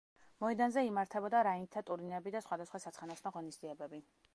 მოედანზე იმართებოდა რაინდთა ტურნირები და სხვადასხვა საცხენოსნო ღონისძიებები.